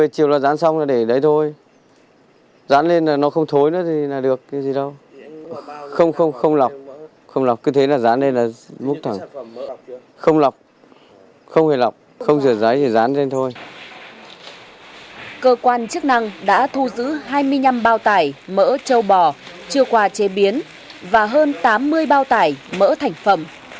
cơ quan chức năng đã thu giữ hai mươi năm bao tải mỡ châu bò chứa quà chế biến và hơn tám mươi bao tải mỡ thành phẩm